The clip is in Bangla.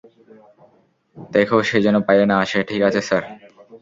দেখো সে যেন বাইরে না আসে, - ঠিক আছে স্যার।